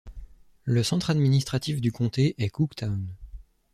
Le centre administratif du comté est Cooktown.